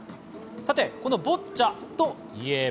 このボッチャといえば。